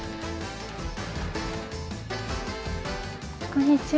こんにちは。